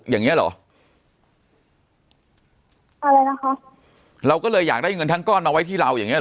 อย่างนี้หรอเราก็เลยอยากได้เงินทั้งก้อนมาไว้ที่เราอย่างนี้หรอ